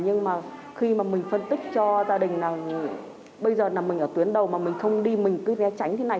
nhưng mà khi mà mình phân tích cho gia đình là bây giờ là mình ở tuyến đầu mà mình không đi mình cứ vé tránh thế này